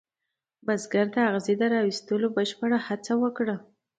بزګر د اغزي را ویستلو بشپړه هڅه وکړه.